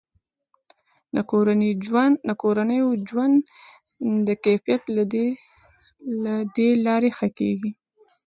د کورنیو د ژوند کیفیت له دې لارې ښه کیږي.